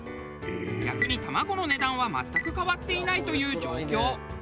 逆に卵の値段は全く変わっていないという状況。